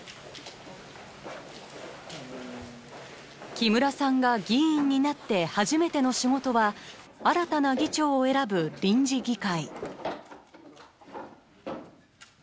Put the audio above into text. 木村さんが議員になって初めての仕事は新たな議長を選ぶ臨時議会。